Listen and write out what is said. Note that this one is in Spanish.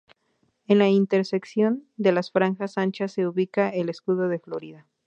En la intersección de las franjas anchas se ubica el escudo de Florida.